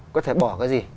có thể bỏ cái gì